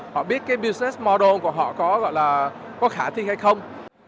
họ biết cái business model của họ có khả thi hay không